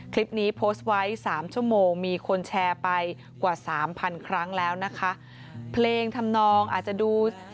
คลิปนี้โพสต์ไว้สามชั่วโมงมีคนแชร์ไปกว่าสามพันครั้งแล้วนะคะเพลงทำนองอาจจะดู